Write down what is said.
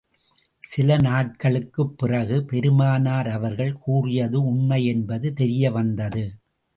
சில நாட்களுக்குப் பிறகு, பெருமானார் அவர்கள் கூறியது உண்மை என்பது தெரிய வந்தது.